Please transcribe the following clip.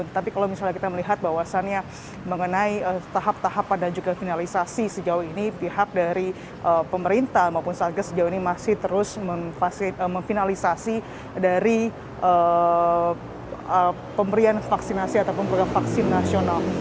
tetapi kalau misalnya kita melihat bahwasannya mengenai tahap tahapan dan juga finalisasi sejauh ini pihak dari pemerintah maupun satgas sejauh ini masih terus memfinalisasi dari pemberian vaksinasi ataupun program vaksin nasional